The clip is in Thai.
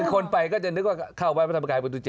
คนไปก็จะนึกว่าเข้าวัดพระธรรมกายประตู๗